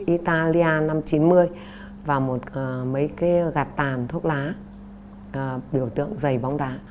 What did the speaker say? italia năm trăm chín mươi và một mấy cái gạt tàn thuốc lá biểu tượng dày bóng đá